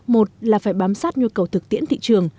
một là phải bám sát nhu cầu thực tiễn thị trường